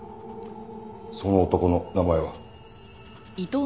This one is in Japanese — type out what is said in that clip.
その男の名前は？